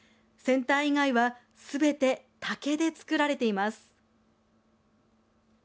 船体以外はすべて竹で作られています。